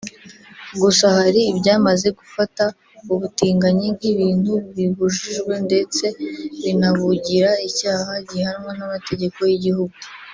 gusa hari ibyamaze gufata ubutinganyi nk’ ibintu bibujijwe ndetse binabugira icyaha gihanwa n’amategeko y’igihugu